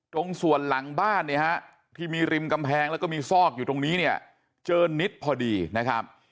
ตรงส่วนหลังบ้านเนี่ยฮะที่มีริมกำแพงแล้วก็มีซอกอยู่ตรงนี้เนี่ยเจอนิดพอดีนะครับ